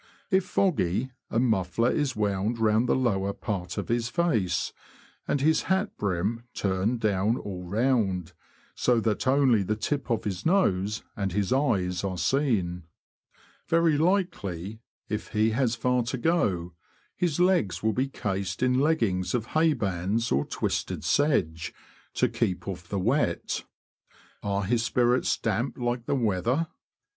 If foggy, a muffler is wound round the lower part of his face, and his hat brim turned down all round, so that only the tip of his nose and his eyes are seen. Very likely, if he has far to go, his legs will be cased in leggings of haybands or twusted sedge, to keep off the wet. Are his spirits damp like the weather